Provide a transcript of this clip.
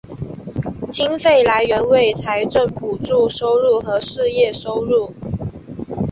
经费来源为财政补助收入和事业收入。